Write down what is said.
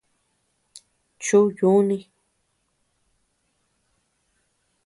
Chu yuni.